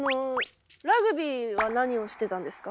ラグビーは何をしてたんですか？